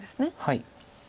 はい。